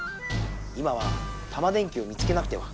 今はタマ電Ｑを見つけなくては。